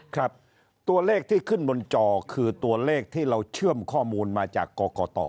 ครับตัวเลขที่ขึ้นบนจอคือตัวเลขที่เราเชื่อมข้อมูลมาจากกรกต